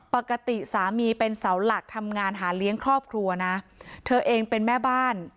ปกติสามีเป็นเสาหลักทำงานหาเลี้ยงครอบครัวนะเธอเองเป็นแม่บ้าน